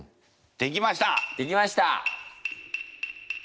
できました！